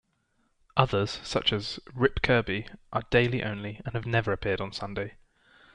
Others, such as "Rip Kirby", are daily only and have never appeared on Sunday.